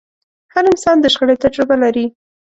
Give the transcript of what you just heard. هر انسان د شخړې تجربه لري.